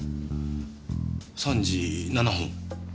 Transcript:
３時７分。